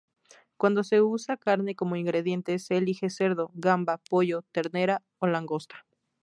Cuando se usa carne como ingrediente, se elige cerdo, gamba, pollo, ternera o langosta.